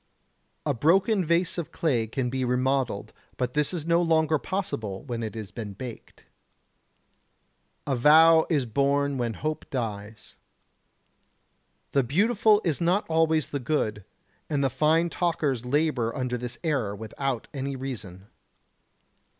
A broken vase of clay can be remodelled, but this is no longer possible when it has been baked. The vow is born when hope dies. The beautiful is not always the good. And the fine talkers labour under this error without any reason.